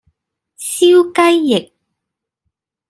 燒雞翼